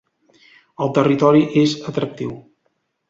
El territori és atractiu.